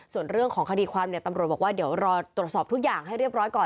ส่วนเรื่องของคดีความเนี่ยตำรวจบอกว่าเดี๋ยวรอตรวจสอบทุกอย่างให้เรียบร้อยก่อน